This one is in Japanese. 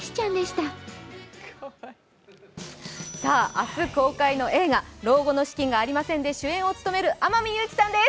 明日公開の映画「老後の資金がありません！」で主演を務める、天海祐希さんです。